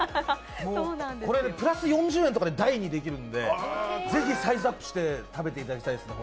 これでプラス４０円とかで大にできるのでぜひサイズアップして食べてみてほしいですね。